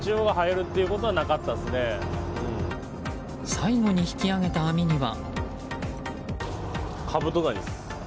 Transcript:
最後に引き揚げた網には。